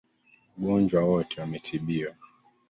Wagonjwa wote wametibiwa.